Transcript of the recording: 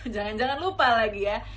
jangan jangan lupa lagi ya